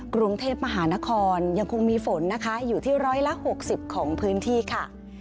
กรุงเทพมหานครยังคงมีฝนนะคะอยู่ที่ร้อยละ๖๐ของพื้นที่ค่ะ